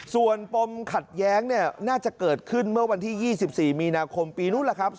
ส่วนปมขัดแย้งเนี่ยน่าจะเกิดขึ้นเมื่อวันที่๒๔มีนาคมปีนู้นแหละครับ